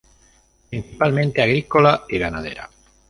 Principalmente agrícola y ganadera.